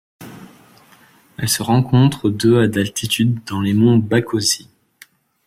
Elle se rencontre de à d'altitude dans les monts Bakossi.